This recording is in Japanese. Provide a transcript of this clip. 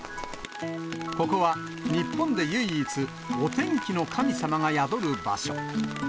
ここは、日本で唯一、お天気の神様が宿る場所。